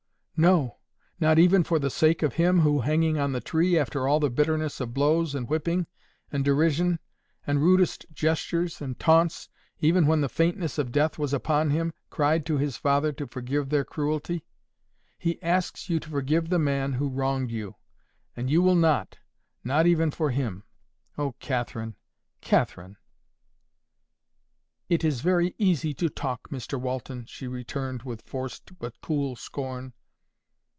"No. Not even for the sake of Him who, hanging on the tree, after all the bitterness of blows and whipping, and derision, and rudest gestures and taunts, even when the faintness of death was upon Him, cried to His Father to forgive their cruelty. He asks you to forgive the man who wronged you, and you will not—not even for Him! Oh, Catherine, Catherine!" "It is very easy to talk, Mr Walton," she returned with forced but cool scorn.